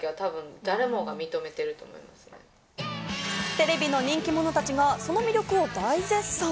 テレビの人気者たちがその魅力を大絶賛。